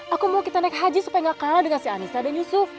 aku mau kita naik haji supaya gak kalah dengan si anissa dan yusuf